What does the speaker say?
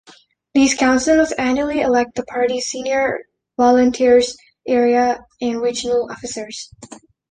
These Councils annually elect the Party's senior volunteers; Area and Regional Officers.